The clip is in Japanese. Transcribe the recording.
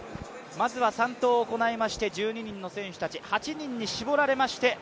まずは３投を行いまして１２人の選手たち８人に絞られました